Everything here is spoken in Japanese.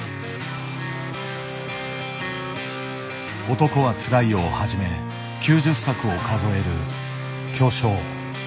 「男はつらいよ」をはじめ９０作を数える巨匠。